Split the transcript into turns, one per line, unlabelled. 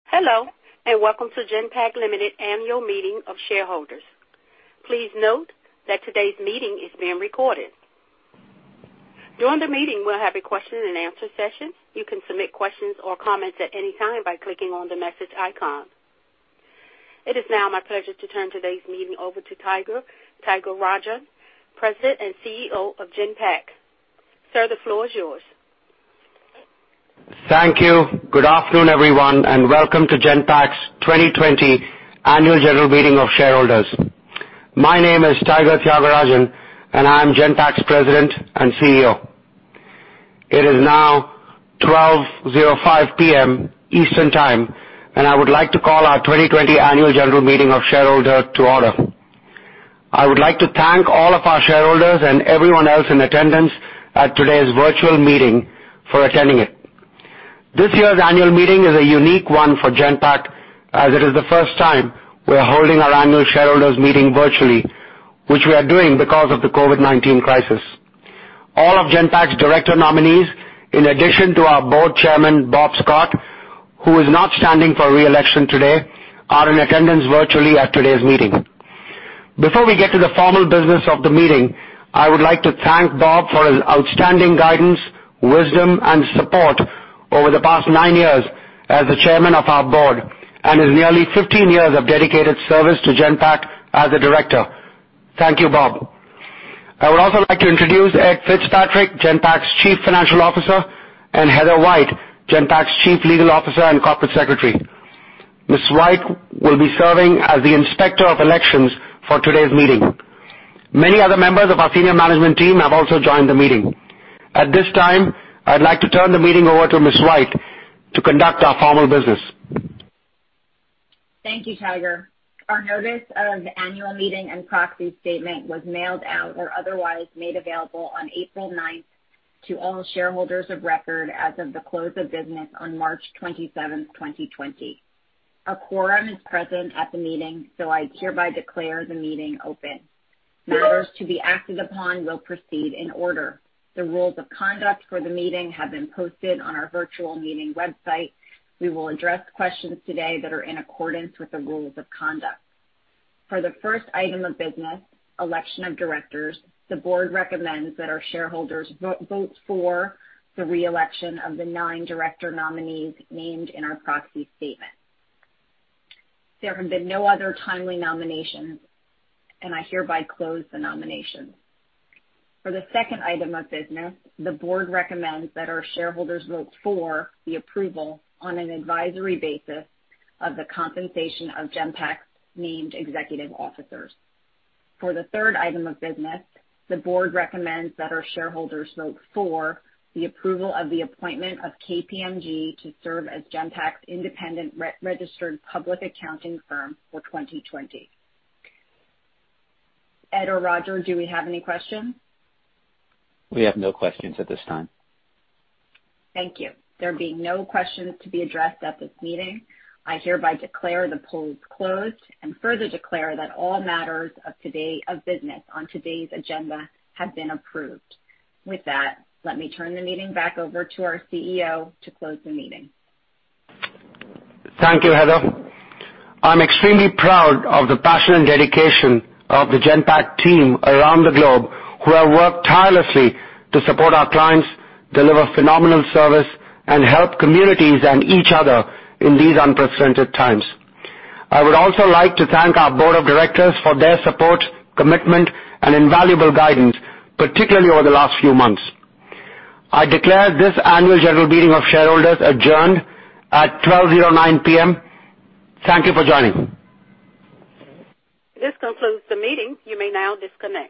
Hello, and welcome to Genpact Limited Annual Meeting of Shareholders. Please note that today's meeting is being recorded. During the meeting, we'll have a question and answer session. You can submit questions or comments at any time by clicking on the message icon. It is now my pleasure to turn today's meeting over to Tiger Tyagarajan, President and Chief Executive Officer of Genpact. Sir, the floor is yours.
Thank you. Good afternoon, everyone, and welcome to Genpact's 2020 Annual General Meeting of Shareholders. My name is Tiger Tyagarajan, and I am Genpact's President and CEO. It is now 12:05 P.M. Eastern Time, and I would like to call our 2020 Annual General Meeting of Shareholders to order. I would like to thank all of our shareholders and everyone else in attendance at today's virtual meeting for attending it. This year's annual meeting is a unique one for Genpact, as it is the first time we are holding our annual shareholders meeting virtually, which we are doing because of the COVID-19 crisis. All of Genpact's director nominees, in addition to our Board Chairman, Bob Scott, who is not standing for re-election today, are in attendance virtually at today's meeting. Before we get to the formal business of the meeting, I would like to thank Bob for his outstanding guidance, wisdom, and support over the past nine years as the chairman of our board, and his nearly 15 years of dedicated service to Genpact as a director. Thank you, Bob. I would also like to introduce Ed Fitzpatrick, Genpact's Chief Financial Officer, and Heather White, Genpact's Chief Legal Officer and Corporate Secretary. Ms. White will be serving as the Inspector of Elections for today's meeting. Many other members of our senior management team have also joined the meeting. At this time, I'd like to turn the meeting over to Ms. White to conduct our formal business.
Thank you, Tiger. Our notice of annual meeting and proxy statement was mailed out or otherwise made available on April 9th to all shareholders of record as of the close of business on March 27th, 2020. A quorum is present at the meeting, so I hereby declare the meeting open. Matters to be acted upon will proceed in order. The rules of conduct for the meeting have been posted on our virtual meeting website. We will address questions today that are in accordance with the rules of conduct. For the first item of business, election of directors, the board recommends that our shareholders vote for the re-election of the nine director nominees named in our proxy statement. There have been no other timely nominations, and I hereby close the nominations. For the second item of business, the board recommends that our shareholders vote for the approval on an advisory basis of the compensation of Genpact's named executive officers. For the third item of business, the board recommends that our shareholders vote for the approval of the appointment of KPMG to serve as Genpact's independent registered public accounting firm for 2020. Ed or Roger, do we have any questions?
We have no questions at this time. Thank you. There being no questions to be addressed at this meeting, I hereby declare the polls closed and further declare that all matters of business on today's agenda have been approved. With that, let me turn the meeting back over to our CEO to close the meeting.
Thank you, Heather. I'm extremely proud of the passion and dedication of the Genpact team around the globe who have worked tirelessly to support our clients, deliver phenomenal service, and help communities and each other in these unprecedented times. I would also like to thank our board of directors for their support, commitment, and invaluable guidance, particularly over the last few months. I declare this Annual General Meeting of Shareholders adjourned at 12:09 P.M. Thank you for joining.
This concludes the meeting. You may now disconnect.